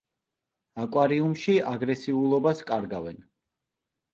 აკვარიუმში აგრესიულობას კარგავენ.